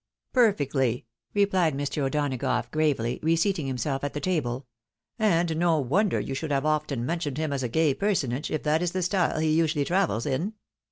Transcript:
" Perfectly," replied Mr. O'Donagough, gravely, re seating himself at the table ;" and no wonder you should have often mentioned him as a gay personage, if that is the style he usually travels in."